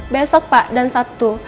besok pak dan sabtu